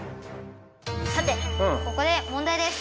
さてここで問題です。